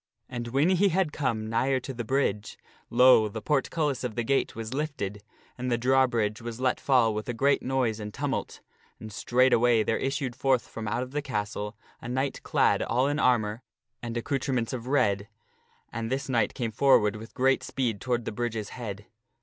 And when he had come nigher to the bridge, lo ! the portcullis of the castle was lifted and the drawbridge was let fall with a great noise and tumult, and straightway there issued forth from out of the castle a knight clad all in armor and accoutrements of red, and this knight came forward with great speed toward the bridge's head.